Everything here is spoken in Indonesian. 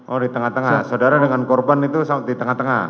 oh di tengah tengah saudara dengan korban itu di tengah tengah